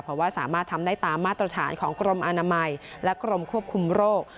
เพราะว่าสามารถทำได้ตามมาตรฐานของกรมอนามัยและกรมควบคุมโรค